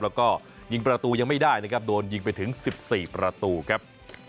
แล้วก็ยิงประตูยังไม่ได้นะครับโดนยิงไปถึง๑๔ประตูครับ